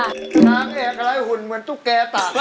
ช้างเอกรายหุ่นเหมือนตุ๊กแกตากนะ